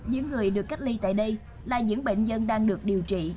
những người được cách ly tại đây là những bệnh nhân đang được điều trị